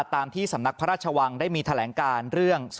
ตามที่สำนักพระราชวังได้มีแถลงการเรื่อง